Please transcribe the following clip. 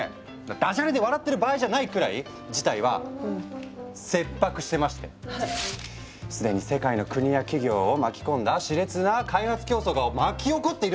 ダジャレで笑ってる場合じゃないくらい事態は切迫してましてすでに世界の国や企業を巻き込んだしれつな開発競争が巻き起こっているっていう話。